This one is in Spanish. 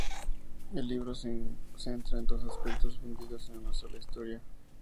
El libro se centra en dos aspectos fundidos en una sola historia.